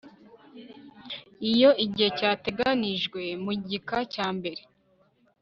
Iyo igihe cyateganijwe mu gika cya mbere